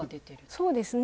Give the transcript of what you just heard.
そうですね。